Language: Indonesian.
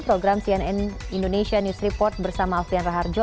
program cnn indonesia news report bersama alfian raharjo